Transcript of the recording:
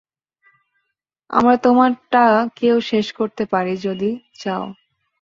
আমরা তোমার টা কেও শেষ করতে পারি যদি চাও!